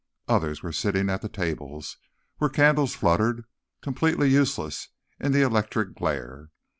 Others were sitting at the tables, where candles fluttered, completely useless in the electric glare.